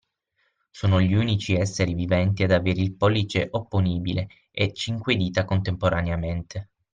Sono gli unici essere viventi ad avere il pollice opponibile e cinque dita contemporaneamente.